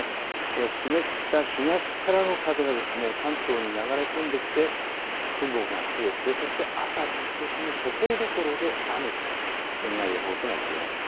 湿った東からの風が関東に流れ込んできて雲が増えて朝晩を中心にところどころで雨という予報になっています。